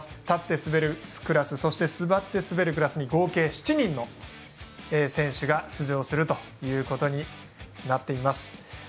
立って滑るクラスそして座って滑るクラスに合計７人の選手が出場するということになっています。